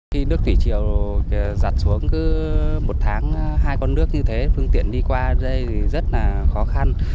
khi nước thủy chiều giặt xuống cứ một tháng hai con nước như thế phương tiện đi qua đây thì rất là khó khăn